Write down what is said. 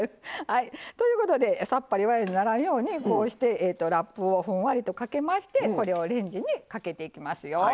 ということでさっぱりわやにならんようにこうしてラップをふんわりとかけましてこれをレンジにかけていきますよ。